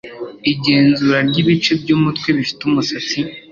igenzura ry'ibice by'umutwe bifite umusatsi